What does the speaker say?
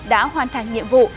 đã hoàn thành nhiệm vụ